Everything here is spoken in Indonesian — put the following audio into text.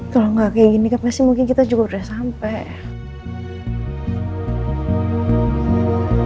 kalau nggak kayak gini kan pasti mungkin kita juga udah sampai